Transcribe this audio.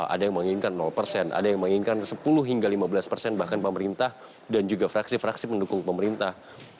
ada yang menginginkan persen ada yang menginginkan sepuluh hingga lima belas persen bahkan pemerintah dan juga fraksi fraksi mendukung pemerintah